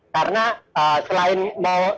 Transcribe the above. karena selain mau